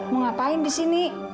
mau ngapain disini